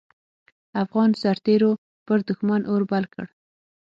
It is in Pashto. افغان سررتېرو پر دوښمن اور بل کړ.